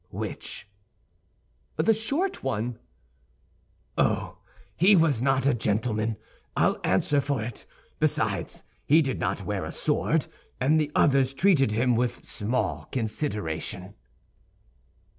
"Which?" "The short one." "Oh, he was not a gentleman, I'll answer for it; besides, he did not wear a sword, and the others treated him with small consideration."